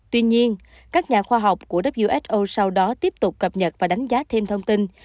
tuy nhiên các nhà khoa học của who sau đó tiếp tục cập nhật và đánh giá thêm thông tin